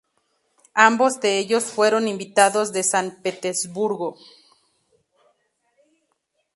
Ambos de ellos fueron invitados de San Petersburgo.